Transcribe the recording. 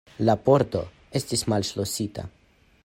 La pordo estas malŝlosita.